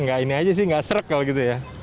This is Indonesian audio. nggak ini aja sih nggak serkel gitu ya